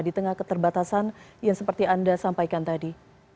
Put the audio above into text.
di tengah keterbatasan yang seperti anda sampaikan tadi